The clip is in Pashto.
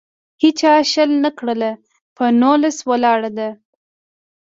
هیچا شل نه کړله. په نولس ولاړه ده.